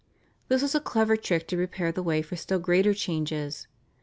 This was a clever trick to prepare the way for still greater changes.